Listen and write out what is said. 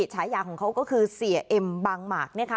ฉายาของเขาก็คือเสียเอ็มบางหมากนะคะ